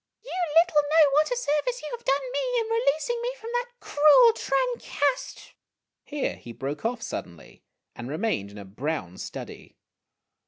You little know what a service you have done me in releasing me o from that cruel Trancast ' Here he broke off suddenly and remained in a brown study.